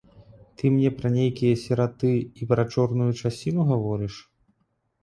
Ты мне пра нейкія сіраты і пра чорную часіну гаворыш?